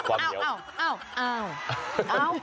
โอ้โฮเอา